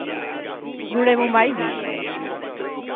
No l’emmo mai viste.